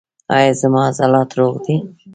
ایا زما عضلات روغ دي؟